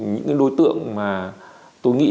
những đối tượng mà tôi nghĩ